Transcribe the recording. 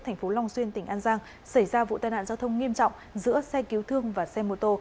thành phố long xuyên tỉnh an giang xảy ra vụ tai nạn giao thông nghiêm trọng giữa xe cứu thương và xe mô tô